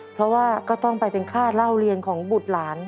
เพราะว่าก็ต้องไปเป็นค่าเล่าเรียนของบุตรหลาน